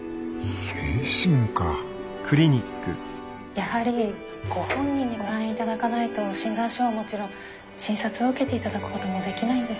やはりご本人にご来院いただかないと診断書はもちろん診察を受けていただくこともできないんです。